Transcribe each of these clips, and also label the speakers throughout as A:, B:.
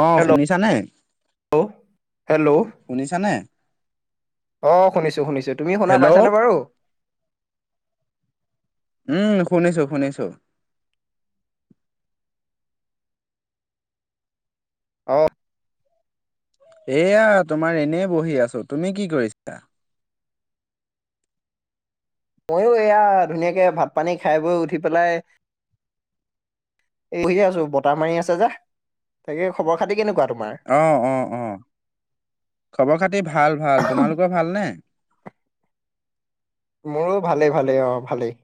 A: অ শুনিছানে?
B: Hello hello
A: শুনিছানে?
B: অ শুনিছো শুনিছো তুমি শুনা
A: হেল্ল'
B: পাইছানে বাৰু।
A: উম শুনিছো শুনিছো।
B: অ
A: এয়া তোমাৰ এনেই বহি আছো তুমি কি কৰিছা।
B: মইয়ো এয়া ধুনীয়াকে ভাত পানী খাই বৈ উঠি পেলাই এই বহি আছো বতাহ মাৰি আছে যে, তাকে খবৰ খাতি কেনেকুৱা তোমাৰ?
A: অঁ অঁ অঁ খবৰ খাতি ভাল ভাল, তোমালোকৰ ভালনে?
B: মোৰো ভালেই ভালেই অ ভালেই।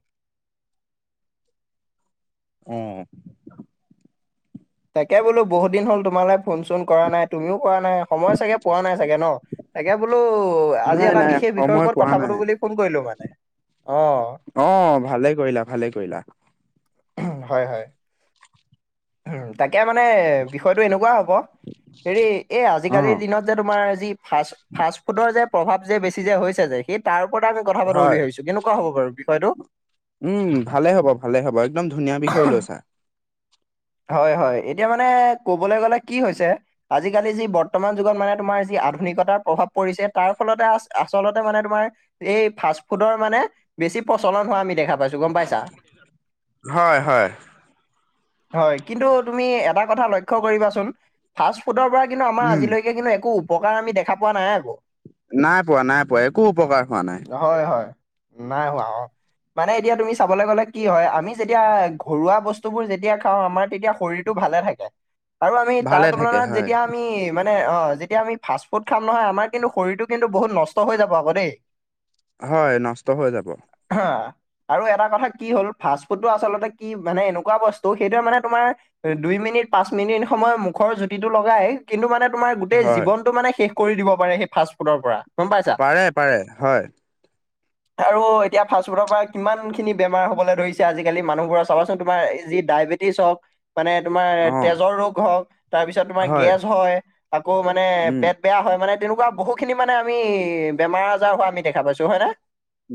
A: উম
B: তাকে বোলো বহুত দিন হল তোমাৰলে ফোন চোন কৰা নাই তুমিও কৰা নাই সময় চাগে পোৱা নাই চাগে ন? তাকে বোলো আজি
A: নাই
B: এটা
A: নাই
B: বিশেষ বিষয়ৰ
A: সময়
B: ওপৰত
A: পোৱা
B: কথা
A: নাই।
B: পাতো বুলি ফোন কৰিলো মানে অ।
A: অ ভালে কৰিলা ভালে কৰিলা।
B: হয়, হয়। উম, তাকে মানে বিষয়টো এনেকুৱা হ'ব। হেৰি এই আজিকালিৰ দিনত যে, তোমাৰ যি ফাষ্ট ফাষ্ট ফুডৰ যে প্ৰভাৱ যে বেছি যে হৈছে যে, সেই তাৰ ওপৰতে আমি কথা পাতো
A: হয়
B: বুলি ভাবছো, কেনেকুৱা হ'ব বাৰু বিষয়টো?
A: উম, ভালে হ'ব ভালে হ'ব, একদম ধুনীয়া বিষয় লৈছা।
B: হয়, হয়, এতিয়া মানে কবলৈ গ'লে কি হৈছে। আজিকালি যি বৰ্তমান যুগত মানে তোমাৰ যি আধুনিকতাৰ প্ৰভাৱ পৰিছে, তাৰ ফলতে আ-আচলতে মানে তোমাৰ এই ফাষ্ট ফুডৰ মানে বেছি প্ৰচলন হোৱা আমি দেখা পাইছো গ'ম পাইছা!
A: [unintelligible] হয়, হয়।
B: হয়, কিন্তু তুমি এটা কথা লক্ষ্য কৰিবাচোন, ফাষ্ট ফুডৰ পৰা কিন্তু আমাৰ
A: উম
B: আজিলৈকে কিন্তু একো উপকাৰ আমি দেখা পোৱা নাই আকৌ।
A: নাই পোৱা নাই পোৱা, একো উপকাৰ হোৱা নাই।
B: হয়, হয়, নাই হোৱা অ'। মানে এতিয়া তুমি চাবলৈ গ'লে কি হয়, আমি যেতিয়া ঘৰুৱা বস্তুবোৰ যেতিয়া খাওঁ আমাৰ তেতিয়া শৰীৰতটো ভালে থাকে, আৰু আমি তাৰ
A: ভালে থাকে
B: তুলনাত
A: হয়
B: যেতিয়া আমি মানে অ', যেতিয়া আমি ফাষ্ট ফুড খাম নহয় আমাৰ কিন্তু শৰীৰতটো কিন্তু বহুত নষ্ট হৈ যাব আকৌ দেই।
A: হয়, নষ্ট হৈ যাব।
B: আৰু এটা কথা কি হ'ল ফাষ্ট ফুডটো আচলতে কি মানে এনেকুৱা বস্তু। ত' সেইটো মানে তোমাৰ দুই মিনিট পাঁচ মিনিট সময় মুখৰ জুতিটো লগাই। কিন্তু, মানে তোমাৰ গোটেই
A: হয়
B: জীৱনতটো মানে শেষ কৰি দিব পাৰে সেই ফাষ্ট ফুডৰ পৰা। গম পাইছা
A: পাৰে পাৰে হয়।
B: [inaudible] আৰু এতিয়া ফাষ্টফুডৰ পৰা কিমান খিনি বেমাৰ হবলৈ ধৰিছে, আজিকালি মানুহ বোৰ চাবাচোন তোমাৰ এই যি ডায়েবেটিছ হওক মানে তোমাৰ
A: অ
B: তেজৰ ৰোগ হওক। তাৰপিছত তোমাৰ গেজ হয়, আকৌ মানে
A: উম
B: পেট বেয়া হয়, মানে তেনেকুৱা বহু খিনি মানে আমি বেমাৰ আজাৰ হোৱা আমি দেখা পাইছোঁ, হয় নে?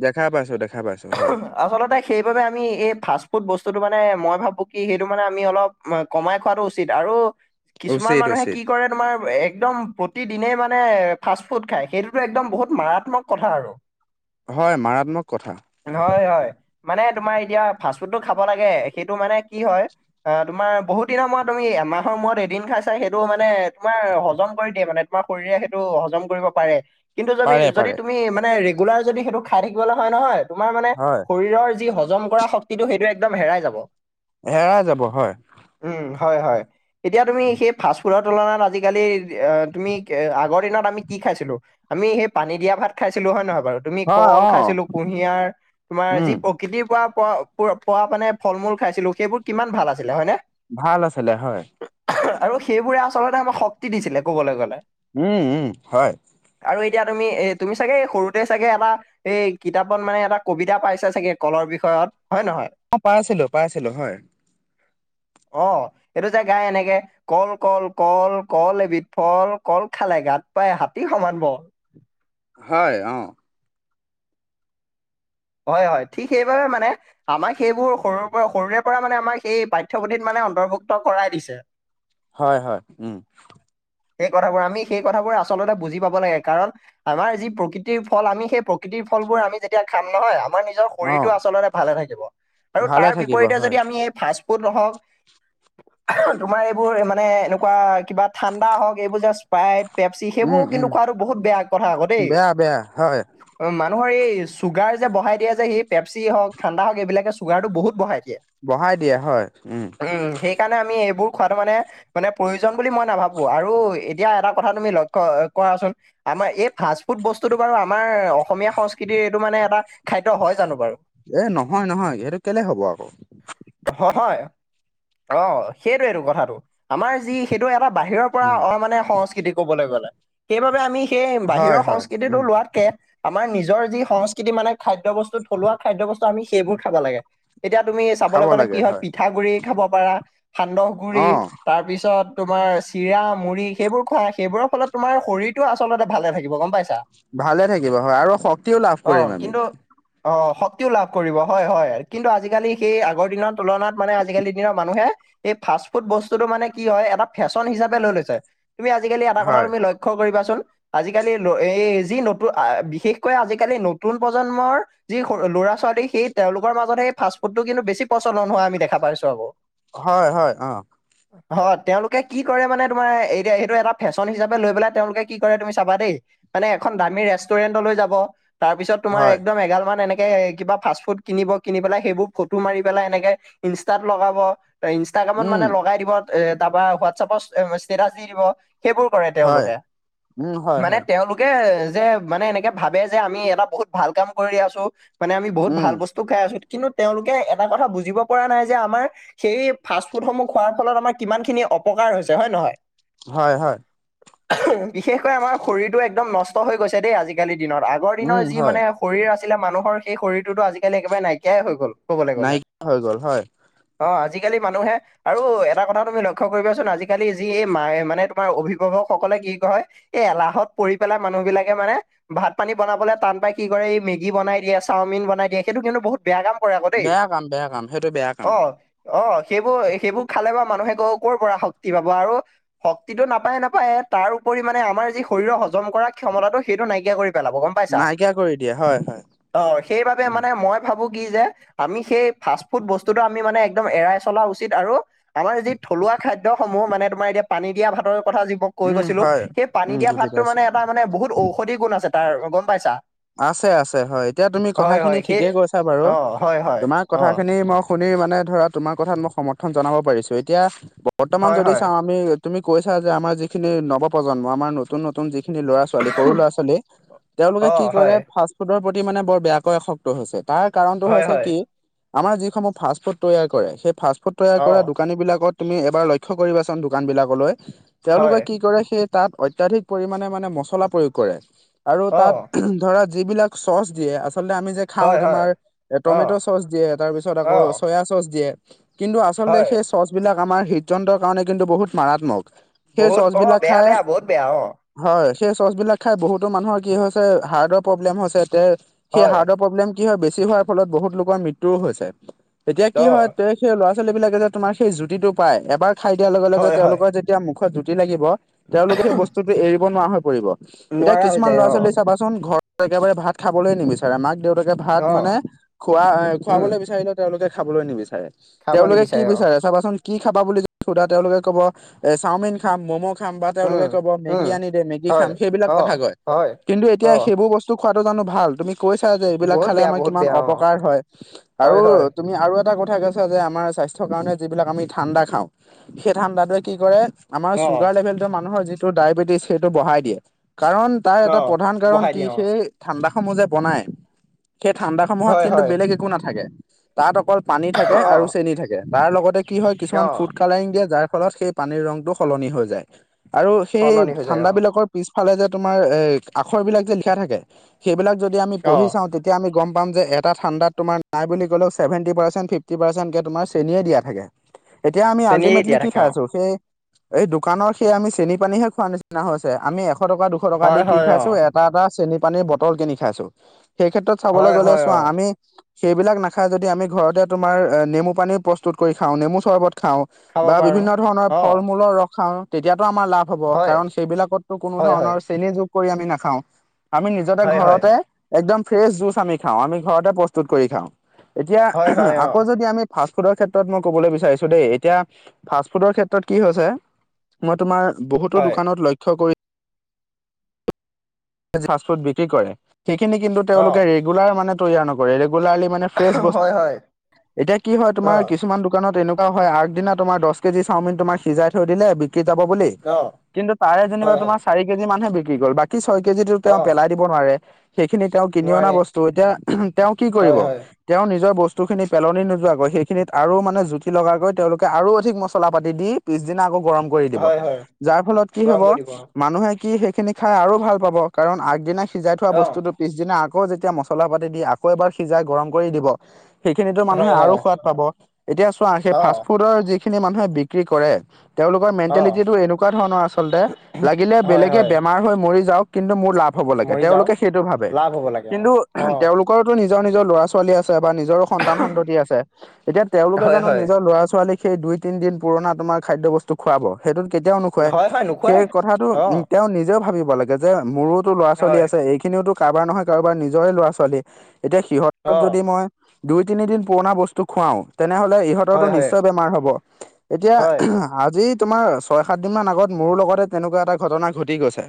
A: দেখা পাইছোঁ, দেখা পাইছোঁ হয়।
B: আচলতে সেইবাবে আমি এই ফাষ্ট ফুড বস্তুতটো মানে মই ভাবো কি সেইটো মানে আমি অলপ কমাই খোৱাতটো উচিত আৰু কিছুমান
A: উচিত
B: মানুহে
A: উচিত
B: কি কৰে। তোমাৰ একদম প্ৰতিদিনেই মানে ফাষ্ট ফুড খাই, সেইটোতো একদম বহুত মাৰাত্মক কথা আৰু। [inaudible]
A: হয়, মাৰাত্মক কথা।
B: হয়, হয়, মানে তোমাৰ এতিয়া ফাষ্টফুডটো খাব লাগে, সেইটো মানে কি হয়। অ', তোমাৰ বহুত দিনৰ মূৰত তুমি এমাহৰ মূৰত এদিন খাইছা, সেইটো মানে তোমাৰ হজম কৰি দিয়ে মানে। আমাৰ শৰীৰে সেইটো হজম কৰিব পাৰে। কিন্তু যদি
A: পাৰে
B: যদি
A: পাৰে
B: তুমি মানে ৰেগুলাৰ যদি সেইটো খাই থাকিবলৈ হয় নহয়। তোমাৰ মানে
A: হয়
B: শৰীৰৰ যি হজম কৰা শক্তিটো, সেইটো একদম হেৰাই যাব।
A: হেৰাই যাব হয়।
B: উম, হয়, হয়, এতিয়া তুমি সেই ফাষ্ট ফুডত তুলনাত আজিকালি অ', তুমি এ আগৰ দিনত আমি কি খাইছিলো। আমি সেই পানী দিয়া ভাত খাইছিলো, হয় নহয় বাৰু তুমি
A: হয়
B: কল
A: অ
B: খাইছিলো, কুঁহিয়াৰ তোমাৰ যি
A: উম
B: প্ৰকৃতিৰ পৰা পৰা পোৱা মানে ফল-মূল খাইছিলোঁ সেইবোৰ কিমান ভাল আছিলে হয় নে?
A: ভাল আছিলে হয়।
B: আৰু সেইবোৰে আচলতে আমাক শক্তি দিছিলে কবলৈ গ'লে।
A: উম উম হয়।
B: আৰু এতিয়া তুমি এ তুমি ছাগে সৰুতে চাগে এটা এই কিতাপত মানে এটা কবিতা পাইছে চাগে কলৰ বিষয়ত হয় নহয়?
A: অ', পাইছিলোঁ পাইছিলোঁ হয়।
B: অ', - সেইটো যে গাই এনেকে। কল কল কল কল এবিধ ফল, কল খালে গাত পায় হাতী সমান বল।
A: হয় অঁ।
B: হয়-হয় ঠিক সেইবাবে মানে আমাক সেইবোৰ সৰুৰ পৰা সৰুৰে পৰা মানে আমাক সেই পাঠ্যপুথিত মানে অন্তৰ্ভুক্ত কৰাই দিছে।
A: হয় -হয়, উম।
B: সেই কথাবোৰ আমি সেই কথাবোৰ আচলতে বুজি পাব লাগে কাৰণ আমাৰ যি প্ৰকৃতিৰ ফল আমি সেই প্ৰকৃতিৰ ফলবোৰ আমি যেতিয়া খাম নহয় আমাৰ
A: অ
B: শৰীৰতটো আচলতে ভালে থাকিব, আৰু
A: ভালে
B: তাৰ
A: থাকিব
B: বিপৰীতে
A: হয়
B: যদি আমি এই ফাষ্টফুড নহওঁক, তোমাৰ এইবোৰ মানে এনেকুৱা কিবা থান ঠাণ্ডা হক এইবোৰ স্পাইট, পেপচি সেইবোৰ
A: উম উম
B: কিন্তু খোৱাটো বহুত বেয়া কথা আকৌ দেই।
A: বেয়া বেয়া হয়
B: অ মানুহৰ এই চুগাৰ যে বড়াই দিয়ে যে সি পেপচি হওঁক ঠাণ্ডা হওঁক এই বিলাকে চুগাৰ বহুত বড়াই দিয়ে।
A: বড়াই দিয়ে হয়, উম।
B: উম সেই কাৰণে আমি এইবোৰ খোৱাটো মানে, মানে প্ৰয়োজন বুলি মই নাভাবোঁ। আৰু এতিয়া এটা কথা তুমি লক্ষ্য কোৱাচোন। আমাৰ এই ফাষ্ট ফুড বস্তুটো বাৰু আমাৰ অসমীয়া সংস্কৃতিৰ এইটো মানে এটা খাদ্য হয় জানোঁ বাৰু?
A: এ নহয় নহয় সেইটো কেলে হব আকৌ।
B: হয় হয়, অঁহ', সেইটোয়েটো কথাটো, আমাৰ যি সেইটো এটা বাহিৰৰ পৰা
A: উম
B: অ মানে সংস্কৃতি কবলৈ গ'লে, সেইবাবে আমি সেই
A: হয়
B: বাহিৰৰ
A: হয়
B: সংস্কৃতিটো
A: উম
B: লোৱাতকে আমাৰ নিজৰ যি সংস্কৃতি মানে খাদ্য বস্তু থলুৱা খাদ্য বস্তু আমি সেইবোৰ খাব লাগে, এতিয়া তুমি
A: খাব
B: চাবলৈ গ'লে কি
A: লাগে
B: হয় পিঠা গুৰি খাব পাৰা, সান্দহ
A: অ
B: গুৰি। তাৰপিছত তোমাৰ চিৰা মুড়ি সেইবোৰ খোৱা সেইবোৰৰ ফলত তোমাৰ শৰীৰটো আচলতে ভালে থাকিব গম পাইছা।
A: ভালে থাকিব হয় আৰু শক্তিও লাভ
B: অ
A: কৰিম আমি।
B: কিন্তু অ শক্তিও লাভ কৰিব হয় হয় কিন্তু আজিকালি সেই আগৰ দিনৰ তুলনাত মানে আজিকালিৰ দিনৰত মানুহে এই ফাষ্ট ফুড বস্তুতটো মানে কি হয় এটা ফেশ্বন হিচাপে লৈ লৈছে, তুমি আজিকালি এটা কথা
A: হয়
B: তুমি লক্ষ্য কৰিবাচোন, আজিকালি এই যি নতুন বিশেষকৈ আজিকালিৰ নতুন প্ৰজন্মৰ যি ল'ৰা ছোৱালী সেই তেওঁলোকৰ মাজত সেই ফাষ্টফুড টো কিন্তু বেছি প্ৰচলন হোৱা আমি দেখা পাইছোঁ আকৌ।
A: হয়-হয় অ',।
B: [inaudible] হয় তেওঁলোকে কি কৰে মানে তোমাৰ এতিয়া সেইটো এটা ফেশ্বন হিচাপে লৈ পেলাই তেওঁলোকে কি কৰে তুমি চাবা দেই। মানে এখন দামী ৰেষ্টুৰেণ্টলৈ যাব। তাৰ পিছত তোমাৰ
A: হয়,
B: একদম এঘাল মান এনেকে কিবা ফাষ্ট ফুড কিনিব কিনি পেলাই সেইবোৰ ফটো মাৰি পেলাই এনেকে ইনষ্টাত লগাব, ইনষ্টাগ্ৰামত
A: উম,
B: মানে লগাই দিব। এ তাৰপৰা হোৱাটছাপত ষ্টেটাচ দি দিব। সেইবোৰ কৰে
A: হয়,
B: তেওঁলোকে,
A: উম, হয়,
B: মানে
A: হয়,
B: তেওঁলোকে যে মানে এনেকে ভাবে যে আমি এটা বহুত ভাল কাম কৰি আছোঁ মানে আমি বহুত
A: উম,
B: ভাল বস্তু টো খাই আছোঁ, কিন্তু তেওঁলোকে এটা কথা বুজিব পৰা নাই যে আমাৰ সেই ফাষ্ট ফুড সমূহ খোৱাৰ ফলত আমাৰ কিমান খিনি অপকাৰ হৈছে, হয়নে নহয়?
A: হয়-হয়।
B: বিশেষকৈ আমাৰ শৰীৰটো একদম নষ্ট হৈ গৈছে দেই আজিকালি দিনত। আগৰ দিনৰ
A: উম,
B: যি
A: হয়,
B: মানে শৰীৰ আছিলে মানুহৰ সেই শৰীৰটোতো আজিকালি একেবাৰে নাইকিয়াই হৈ গ'ল। ক'বলৈ গ'লে,
A: নাইকিয়া হৈ গ'ল হয়,
B: অ' আজিকালি মানুহে আৰু এটা কথা তুমি লক্ষ্য কৰিবাচোন আজিকালি যি এই মায়ে মানে তোমাৰ অভিভাৱকসকলে কি কয় এই এলাহত পৰি পেলাই মানুহ বিলাকে মানে ভাত পানী বনাবলৈ টান পাই কি কৰে এই মেগী বনাই দিয়ে চাওমিন বনাই দিয়ে সেইটো কিন্তু বহুত বেয়া কাম কৰে আকৌ দেই
A: বেয়া কাম, বেয়া কাম, সেইটো বেয়া কাম।
B: অ'। অ' সেইবোৰ সেইবোৰ খালে বা মানুহে ক'ৰ পৰা শক্তি পাব আৰু শক্তিটো নাপায়ে নাপায়ে তাৰ উপৰি মানে আমাৰ যি শৰীৰৰ হজম কৰা ক্ষমতাটো সেইটো নাইকিয়া কৰি পেলাব গম পাইছা।
A: নাইকিয়া কৰি দিয়ে হয়, হয়,
B: অ' সেইবাবে
A: উম,
B: মানে মই ভাবো কি যে আমি সেই ফাষ্ট ফুড বস্তুটো আমি মানে একদম এৰাই চলা উচিত আৰু আমাৰ যি থলুৱা খাদ্যসমূহ মানে তোমাৰ এতিয়া পানী দিয়া ভাতৰ কথা যি কৈ
A: উম,
B: গৈছিলো
A: হয়,
B: সেই পানী
A: উম,
B: দিয়া
A: বুজি
B: ভাতটোৰ
A: পাইছো।
B: মানে এটা মানে বহুত ঔষধি গুণ আছে তাৰ গম পাইছা।
A: আছে, আছে হয় এতিয়া তুমি
B: হয়
A: কথাখিনি
B: হয় সেই
A: ঠিকে কৈছা বাৰু
B: অ হয় হয়
A: তোমাৰ
B: অ
A: কথাখিনি মই শুনি মানে ধৰা তোমাৰ কথাত মই সমৰ্থন জনাব পাৰিছো এতিয়া বৰ্তমান
B: হয়
A: যদি
B: হয়
A: চাওঁ আমি তুমি কৈছা যে আমাৰ যিখিনি নৱপ্ৰজন্ম আমাৰ নতুন নতুন যিখিনি ল'ৰা ছোৱালী সৰু ল'ৰা ছোৱালী তেওঁলোকে
B: অ
A: কি কৰে
B: হয়
A: ফাষ্ট ফুডৰ প্ৰতি মানে বৰ বেয়াকৈ আসক্ত হৈছে তাৰ কাৰণটো
B: হয়
A: হৈছে
B: হয়
A: কি আমাৰ যিসমূহ ফাষ্ট ফুড তৈয়াৰ কৰে সেই ফাষ্ট ফুড তৈয়াৰ
B: অ
A: কৰা দোকান দোকানী বিলাকত তুমি এবাৰ লক্ষ্য কৰিবাচোন দোকান বিলাকলৈ তেওঁলোকে
B: হয়
A: কি কৰে সেই তাত অত্যাধিক পৰিমাণে মানে মচলা প্ৰয়োগ কৰে আৰু
B: অ
A: তাত ধৰা যিবিলাক চছ দিয়ে আচলতে আমি যে খাওঁ
B: হয় হয়
A: তোমাৰ এ
B: অ
A: টমেট' চছ দিয়ে তাৰ পিছত
B: অ
A: আকৌ চয়া চছ দিয়ে। কিন্তু আচলতে
B: হয়
A: সেই চচবিলাক আমাৰ হৃদযন্ত্ৰৰ কাৰণে কিন্তু বহুত মাৰাত্মক। সেই
B: বহুত অ'
A: চচবিলাক
B: বেয়া,
A: খাই
B: বেয়া বহুত বেয়া অ'।
A: হয় সেই চচ বিলাক খাই বহুতো মানুহৰ কি হৈছে হাৰ্টৰ প্ৰব্লেম হৈছে তে সেই
B: হয়
A: হাৰ্টৰ প্ৰব্লেম কি হয় বেছি হোৱাৰ ফলত বহুত লোকৰ মৃত্যুও হৈছে এতিয়া কি
B: অ
A: হয় ত সেই ল'ৰা ছোৱালী বিলাকে যে তোমাৰ সেই জুতিটো পাই এবাৰ খাই দিয়াৰ লগে লগে
B: হয় হয়
A: তেওঁলোকৰ যে এতিয়া মুখত জুতি লাগিব তেওঁলোকে সেই বস্তুটো এৰিব নোৱাৰা হৈ পৰিব এতিয়া
B: নোৱাৰা হৈ
A: কিছুমান
B: যায়
A: ল'ৰা
B: অ
A: ছোৱালী চাবাচোন ঘৰত একেবাৰে ভাত খাবলৈ নিবিচাৰে মাক দেউতাকে ভাত মানে
B: অ
A: খোৱা,
B: উম,
A: খুৱাবলৈ বিচাৰিলে তেওঁলোকে খাবলৈ নিবিচাৰে।
B: খাব
A: তেওঁলোকে কি
B: নিবিচাৰে অ',
A: বিচাৰে চাবাচোন কি খাবা বুলি যদি সোধা তেওঁলোকে কব এ চাওমিন খাম ম'ম' খাম বা তেওঁলোকে
B: উম,
A: ক'ব মেগি
B: উম।
A: আনি দে মেগি খাম,
B: হয়,
A: সেইবিলাক
B: অ',
A: কথা কয়
B: হয়,
A: কিন্তু এতিয়া
B: অ',
A: সেইবোৰ বস্তু টো খোৱাটো জানো ভাল, তুমি কৈছা যে এইবিলাক
B: বহুত
A: খালে
B: বেয়া,
A: আমাৰ
B: বহুত
A: কিমান
B: বেয়া অ',
A: অপকাৰ হয় আৰু
B: হয়, হয়।
A: তুমি আৰু এটা কথা কৈছা যে আমাৰ স্বাস্থ্যৰ কাৰণে যিবিলাক আমি ঠাণ্ডা খাওঁ। সেই ঠাণ্ডাটোৱে কি কৰে আমাৰ
B: অ',
A: চুগাৰ লেভেলটো মানুহৰ যিটো ডায়বেটিছ সেইটো বঢ়াই দিয়ে কাৰণ তাৰ এটা
B: অ',
A: প্ৰধান কাৰণ
B: বহাই
A: কি
B: দিয়ে অ',
A: সেই ঠাণ্ডাসমূহ যে বনাই সেই ঠাণ্ডা সমূহত
B: হয়,
A: কিন্তু
B: হয়,
A: বেলেগ একো নাথাকে তাত অকল পানী থাকে আৰু
B: অ',
A: চেনী থাকে। তাৰ লগতে কি হয় কিছুমান
B: অ',
A: ফুড কালাৰিং দিয়ে যাৰ ফলত সেই পানীৰ ৰঙটো সলনি হৈ যায়। আৰু সেই
B: সলনি হৈ যায় অ',
A: ঠাণ্ডাবিলাকৰ পিছফালে যে তোমাৰ এ আখৰ বিলাক যে লিখা থাকে। সেইবিলাক যদি আমি পঢ়ি
B: অ',
A: চাওঁ তেতিয়া তেতিয়া আমি গম পাম যে এটা ঠাণ্ডাত তোমাৰ নাই বুলি কলেও চেভেণ্টি পাৰ্চেণ্ট, ফিফটি পাৰ্চেণ্টকে তোমাৰ চেনীয়ে দিয়া থাকে। এতিয়া আমি
B: চেনি
A: আল্টিমেটলি
B: দিয়া
A: কি
B: থাকে
A: খাই
B: অ',
A: আছো সেই এই দোকানৰ সেই আমি চেনি পানীহে খোৱা নিচিনা হৈ হৈছে আমি এশ টকা, দুশ টকা দি
B: হয়,
A: কি
B: হয়,
A: খাইছো
B: অ',
A: এটা এটা চেনী পানীৰ বটল কিনি খাইছো। সেই ক্ষেত্ৰত চাবলৈ
B: হয়,
A: গ'লে
B: হয়,
A: চোৱা
B: অ',
A: আমি সেইবিলাক নাখায় যদি আমি ঘৰতে তোমাৰ নেমু পানী প্ৰস্তুত কৰি খাওঁ নেমু চৰ্বত খাওঁ।
B: খাব
A: বা
B: পাৰো।
A: বিভিন্ন ধৰণৰ
B: অ',
A: ফল মূলৰ ৰখ খাওঁ তেতিয়াতো আমাৰ লাভ হ'ব
B: হয়,
A: কাৰণ সেইবিলাকতো কোনো
B: হয়, হয়,
A: ধৰণৰ চেনি যোগ কৰি আমি নাখাও আমি নিজতে
B: হয়, হয়,
A: ঘৰতে একদম ফ্ৰেছ জুচ আমি খাওঁ আমি ঘৰতে প্ৰস্তুত কৰি খাওঁ। এতিয়া
B: হয়, হয়,
A: আকৌ
B: অ',
A: যদি আমি ফাষ্টফুডৰ ক্ষেত্ৰত মই ক'বলৈ বিচাৰিছোঁ দেই এতিয়া ফাষ্টফুডৰ ক্ষেত্ৰত কি হৈছে মই তোমাৰ বহুতো
B: হয়,
A: দোকানত লক্ষ্য কৰি ফাষ্টফুড বিক্ৰী কৰে সেইখিনি কিন্তু তেওঁলোকে
B: অ',
A: ৰেগুলাৰ মানে তৈয়াৰ নকৰে ৰেগুলাৰলি মানে ফ্ৰেজ
B: হয়, হয়,
A: বস্ত এতিয়া কি হয়
B: অ',
A: তোমাৰ কিছুমান দোকানত হয় আগদিনা তোমাৰ দহ কেজি চাওমিন তোমাৰ সিজাই থৈ দিলে বিক্ৰী যাব বুলি
B: অ',
A: কিন্তু তাৰে যেনিবা
B: হয়, হয়,
A: তোমাৰ চাৰি কেজি মানহে বিকি গ'ল বাকী ছয় কেজিটো তেওঁ
B: অ',
A: পেলাই দিব নোৱাৰে। সেইখিনি তেওঁ কিনি অনা
B: নোৱাৰে,
A: বস্তু এতিয়া তেওঁ কি কৰিব
B: হয়, হয়,
A: তেওঁ নিজৰ বস্তুখিনি পেলনি নোযোৱাকৈ সেইখিনিত আৰু মানে জুতি লগাকৈ তেওঁলোকে আৰু অধিক মছলা পাতি দি পিছদিনা আকৌ গৰম কৰি দিব
B: হয়, হয়।
A: যাৰ ফলত কি
B: গৰম
A: হ'ব
B: কৰি দিব
A: মানুহে কি সেইখিনি খাই আৰু ভাল পাব কাৰণ আগদিনা সিজাই থোৱা
B: অ
A: বস্তুটো পিছদিনা আকৌ যেতিয়া মছলা পাতি দি আকৌ এবাৰ সিজাই গৰম কৰি দিব। সেইখিনিতো
B: হয়
A: মানুহে আৰু
B: হয়
A: সোৱাদ পাব এতিয়া চোৱা সেই
B: অ
A: ফাষ্টফুডৰ যি যিখিনি মানুহে বিক্ৰী কৰে। তেওঁলোকৰ
B: অ
A: মেণ্টেলিটিটো এনেকুৱা ধৰণৰ আচলতে লাগিলে
B: হয়
A: বেলেগে
B: হয়
A: বেমাৰ হৈ মৰি যাওঁক। কিন্তু মোৰ লাভ হ'ব লাগে
B: মৰি যাওক
A: তেওঁলোকে সেইটো ভাবে
B: লাভ হ'ব লাগে অ
A: কিন্তু
B: অ
A: তেওঁলোকৰো নিজৰ নিজৰ ল'ৰা ছোৱালী ছোৱালী আছে বা নিজৰো সন্তান সন্ততি আছে এতিয়া তেওঁলোকে
B: হয়
A: জানো
B: হয়
A: নিজৰ ল'ৰা ছোৱালী সেই দুই তিনদিন পুৰণা তোমাৰ খাদ্য বস্তু তোক খুৱাব সেইটো কেতিয়াও নোখুৱাই
B: হয় হয়
A: সেই
B: নোখোৱাই
A: কথাটো
B: অ
A: উ তেওঁ নিজেও ভাবিব লাগে। যে মোৰোতো ল'ৰা ছোৱালী
B: হয়
A: আছে এইখিনিওতো কাৰোবাৰ নহয় কাৰোবাৰ নিজৰে ল'ৰা ছোৱালী এতিয়া সিহঁত
B: অ
A: যদি মই দুই তিনিদিন পুৰণা বস্তু খুৱাও তেনেহ'লে ইহঁতৰতো
B: হয় হয়
A: নিশ্চয় বেমাৰ হ'ব এতিয়া
B: হয়
A: আজি তোমাৰ ছয় সাত দিন মান আগত মোৰ লগতে তেনেকুৱা এটা ঘটনা ঘটি গৈছে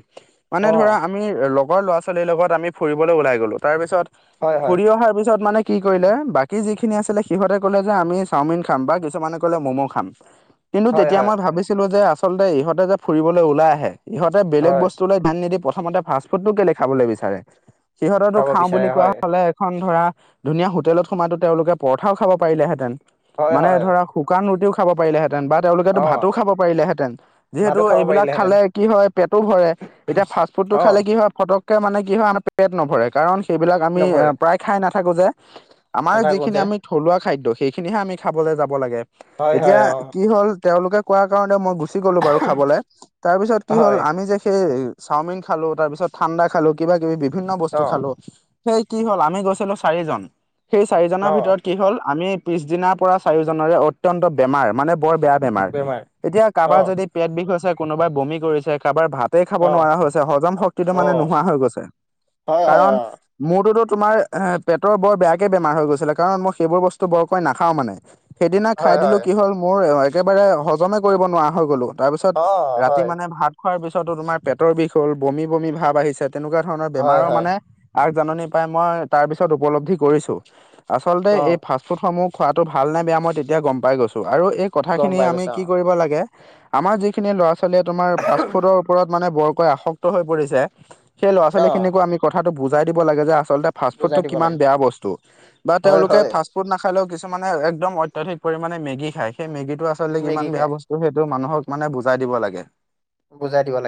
A: মানে
B: অ
A: ধৰা আমি লগৰ ল'ৰা ছোৱালীৰ লগত আমি ফুৰিবলৈ ওলাই গ'লো তাৰ পিছত
B: হয় হয়
A: ফুৰি অহাৰ পিছত মানে কি কৰিলে বাকী যিখিনি আছিলে সিহঁতে ক'লে যে আমি চাওমিন খাম বা কিছুমানে ক'লে ম'ম' খাম।
B: [inaudible]
A: কিন্তু তেতিয়া
B: হয়
A: মই ভাবিছিলো যে আচলতে ইহঁতে যে ফুৰিবলৈ ওলাই আহে ইহঁতে বেলেগ
B: হয়
A: বস্তুলৈ ধ্যান নিদি প্ৰথমতে ফাষ্ট ফুডটো কেলে খাবলৈ বিচাৰে সিহঁতৰটো
B: খাব
A: খাওঁ
B: বিচাৰে
A: বুলি কোৱা
B: হয়
A: হ'লে এখন ধৰা ধুনীয়া হোটেলত সোমাই তেওঁলোকে পৰঠাও খাব পাৰিলেহেঁতেন
B: হয়
A: মানে
B: হয়
A: ধৰা শুকান ৰুটিও খাব পাৰিলেহেঁ হেঁতেন বা তেওঁলোকেতো
B: অ
A: ভাতো খাব পাৰিলেহেঁতেন যিহেতু
B: ভাতো খাব
A: এইবিলাক
B: পাৰিলেহেঁতেন
A: খালে কি হয় পেটো ভৰে। এতিয়া ফাষ্টফুডটো
B: অ
A: খালে কি হয় ফটকে মানে কি হয় আমাৰ পেট নভৰে কাৰণ সেইবিলাক আমি
B: নভৰে
A: প্ৰায় খাই নাথাকো যে আমাৰ
B: নাথাকো
A: যিখিনি
B: যে
A: আমি থলুৱা খাদ্য সেইখিনিহে আমি খাবলৈ যাব লাগে।
B: হয়
A: এতিয়া
B: হয় অ
A: কি হ'ল তেওঁলোকে কোৱা কাৰণে মই গুচি গুচি গ'লো বাৰু খাবলৈ তাৰ পিছত কি হ'ল
B: হয়
A: আমি যে সেই চাওমিন খালো তাৰ পিছত ঠাণ্ডা খালো। কিবা কিবি বিভিন্ন বস্তু
B: অ
A: খালো সেই কি হ'ল আমি গৈছিলো চাৰিজন সেই চাৰিজনৰ
B: অ
A: ভিতৰত কি হ'ল আমি পিছ দিনাৰ পৰা চাৰিওজনৰে অত্যন্ত বেমাৰ মানে বৰ বেয়া বেমাৰ এতিয়া
B: অ
A: কাৰোবাৰ যদি পেট বিষ হৈছে কোনোবাই বমি কৰিছে কাৰোবাৰ ভাতে খ
B: অ
A: নোৱাৰা হৈছে হজম শক্তিটো
B: অ
A: মানে নোহোৱা হৈ গৈছে
B: হয় হয়
A: কাৰণ
B: অ
A: মোৰতোতো তোমাৰ এ পেটৰ বৰ বেয়াকে বেমাৰ হৈ গৈছিলে কাৰণ মই সেইবোৰ বস্তু বৰকৈ নাখাও মানে সেইদিনা খাই
B: হয়
A: দিলোঁ
B: হয়
A: কি হ'ল মোৰ একেবাৰে হজমে কৰিব নোৱাৰা হৈ গ'লো। তাৰ পিছত
B: অ
A: ৰাতি
B: হয়
A: মানে ভাত খোৱাৰ পিছতো তোমাৰ পেটৰ বিষ হ'ল বমি বমি ভাৱ আহিছে। তেনেকুৱা ধৰণৰ
B: হয়
A: বেমাৰৰ
B: হয়
A: মানে আগজাননী পাই মই তাৰ পিছত উপলব্ধি কৰিছো ছি ছি ছি। আচলতে
B: অ
A: এই ফাষ্টফুডসমূহ খোৱাটো ভাল নে বেয়া মই তেতিয়া গম পাই গৈছোঁ আৰু এই
B: গম
A: কথাখিনি
B: পাই
A: আমি
B: গৈছা
A: কি
B: অ
A: কৰিব লাগে হে হে হে আমাৰ যিখিনি ল'ৰা-ছোৱালীয়ে তোমাৰ ফাষ্ট-ফুডৰ ওপৰত মানে বৰকৈ আসক্ত হৈ পৰিছে সেই
B: অ
A: ল'ৰা-ছোৱালী খিনিকো আমি কথাটো বুজাই দিব লাগে যে আচল ফাষ্ট-ফুডটো
B: বুজাই দিব
A: কিমান
B: লাগে
A: বেয়া বস্তু হে হে বা
B: হয়
A: তেওঁলোকে
B: হয়
A: ফাষ্ট ফুড নাখালেও কিছুমানে একদম অত্যাধিক পৰিমাণে মেগী খায় সেই মেগীটো আচলতে কিমান
B: মেগী
A: বেয়া
B: খাই
A: বস্তু ত সেইটো মানুহক মানে বুজাই দিব লাগে।
B: বুজাই দিব লাগে।